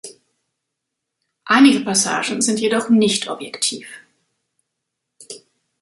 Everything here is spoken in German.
Einige Passagen sind jedoch nicht objektiv.